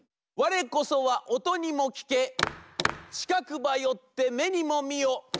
「われこそはおとにもきけちかくばよってめにもみよ。